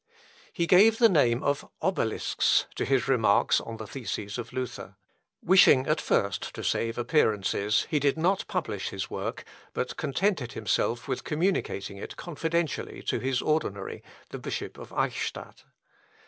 He gave the name of Obelisks to his remarks on the theses of Luther. Wishing at first to save appearances, he did not publish his work, but contented himself with communicating it confidentially to his ordinary, the Bishop of Eichstädt.